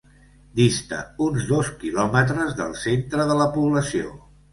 Dista uns dos quilòmetres del centre de la població.